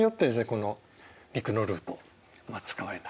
この陸のルートが使われた。